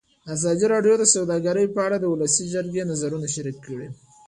ازادي راډیو د سوداګري په اړه د ولسي جرګې نظرونه شریک کړي.